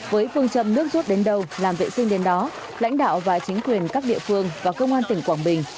với phương châm nước rút đến đâu làm vệ sinh đến đó lãnh đạo và chính quyền các địa phương và công an tỉnh quảng bình